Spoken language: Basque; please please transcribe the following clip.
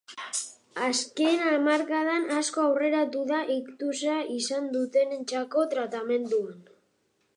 Azken hamarkadan asko aurreratu da iktusa izan dutenentzako tratamentuan.